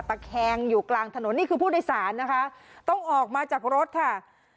ตะแคงอยู่กลางถนนนี่คือผู้โดยสารนะคะต้องออกมาจากรถค่ะ